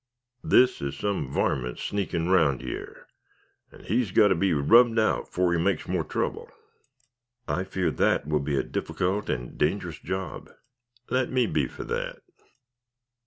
This is some varmint, sneakin' round yer, and he's got to be rubbed out afore he makes more trouble." "I fear that will be a difficult and dangerous job." "Let me be for that."